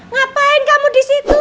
ngapain kamu disitu